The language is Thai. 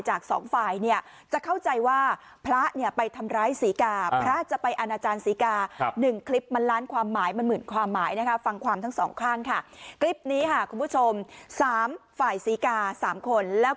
จากสองฝ่ายจะเข้าใจว่า